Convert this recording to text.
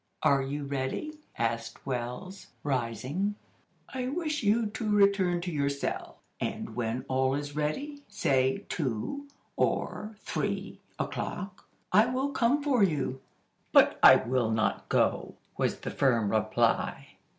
"Are you ready?" asked Wells, rising. "I wish you to return to your cell, and when all is ready, say two or three o'clock, I will come for you." "But I will not go!" was the firm reply.